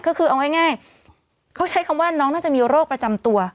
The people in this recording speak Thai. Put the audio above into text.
ก็คือเอาง่ายเขาใช้คำว่าน้องน่าจะมีโรคประจำตัว